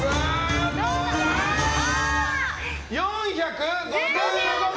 ４５５ｇ！